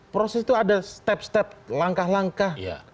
proses itu ada langkah langkah